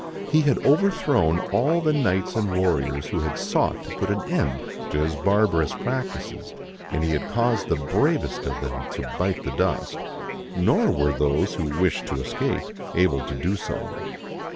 He had overthrown all the knights and warriors who had sought to put an end to his bar barous practices, and he had caused the bravest of them to bite the dust. Nor were those who wished to escape able to do so.